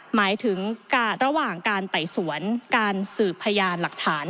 หมายถึงระหว่างการไต่สวนการสืบพยานหลักฐาน